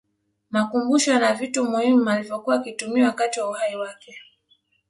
makumbusho yana vitu muhimu alivyokuwa akitumia wakati wa uhai wake